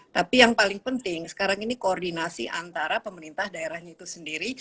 tapi yang paling penting sekarang ini koordinasi antara pemerintah daerahnya itu sendiri